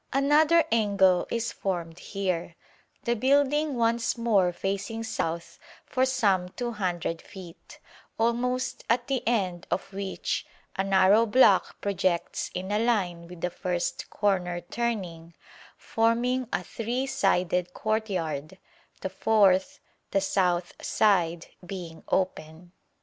Another angle is formed here, the building once more facing south for some 200 feet, almost at the end of which a narrow block projects in a line with the first corner turning, forming a three sided courtyard, the fourth the south side being open.